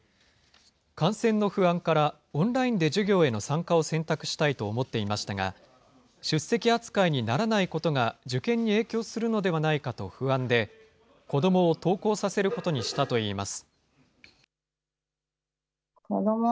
感染の不安から、オンラインで授業への参加を選択したいと思っていましたが、出席扱いにならないことが受験に影響するのではないかと不安で、子どもを登校させることにしたといいます。